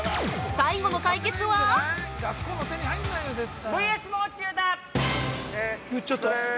最後の対決は◆